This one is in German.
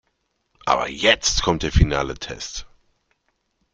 Aber jetzt kommt der finale Test.